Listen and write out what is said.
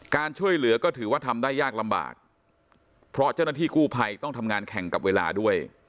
การช่วยเหลือก็ถือว่าทำได้ยากลำบากเพราะเจ้าหน้าที่กู้ภัยต้องทำงานแข่งกับเวลาด้วย